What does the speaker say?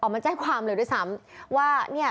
มาแจ้งความเลยด้วยซ้ำว่าเนี่ย